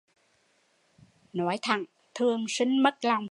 Nói thẳng thường sinh mất lòng